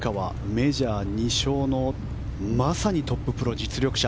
メジャー２勝のまさにトッププロ実力者。